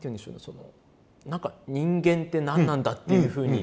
その何か人間って何なんだっていうふうに。